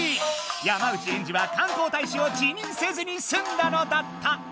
山内エンジは観光大使を辞任せずにすんだのだった。